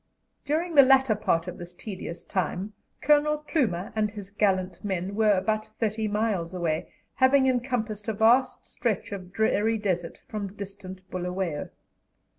During the latter part of this tedious time Colonel Plumer and his gallant men were but thirty miles away, having encompassed a vast stretch of dreary desert from distant Bulawayo.